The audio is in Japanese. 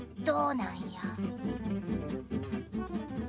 どうなんや。